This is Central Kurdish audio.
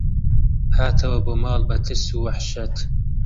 هاتەوە بۆ ماڵ بە ترس و وەحشەت